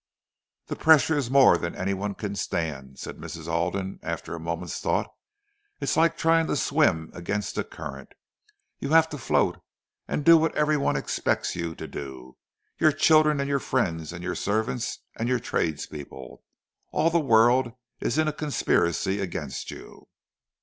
'" "The pressure is more than anyone can stand," said Mrs. Alden, after a moment's thought. "It's like trying to swim against a current. You have to float, and do what every one expects you to do—your children and your friends and your servants and your tradespeople. All the world is in a conspiracy against you."